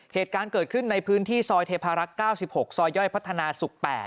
เหตุการณ์เกิดขึ้นในพื้นที่ซอยเทพารักษ์๙๖ซอยย่อยพัฒนาศุกร์๘